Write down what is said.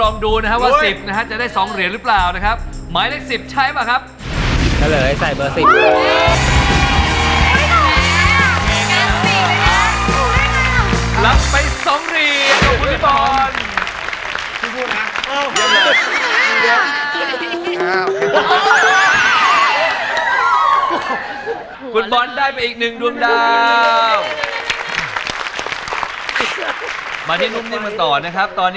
มั่นใจไหมอะ๑๐๑๐อ่ะ๑๐๑๐๑๐มั่นใจค่ะเหมือนกัน